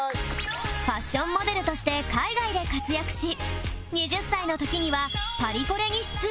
ファッションモデルとして海外で活躍し２０歳の時にはパリコレに出演